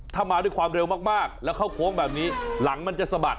ถ้ามาด้วยความเร็วมากแล้วเข้าโค้งแบบนี้หลังมันจะสะบัด